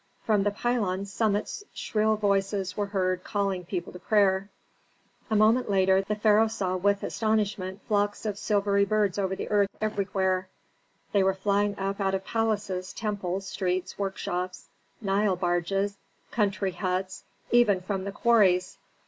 From the pylon summits shrill voices were heard calling people to prayer. A moment later, the pharaoh saw with astonishment flocks of silvery birds over the earth everywhere. They were flying up out of palaces, temples, streets, workshops, Nile barges, country huts, even from the quarries.